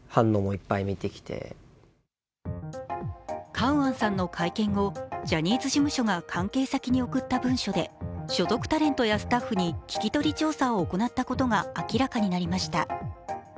カウアンさんの会見後、ジャニーズ事務所が関係先に送った文書で所属タレントやスタッフに聞き取り調査を行ったことが明らかになりました。